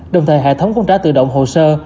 đồng thời hệ thống cũng trả tự động hồ sơ